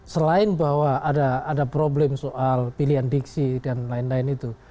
selain bahwa ada problem soal pilihan diksi dan lain lain itu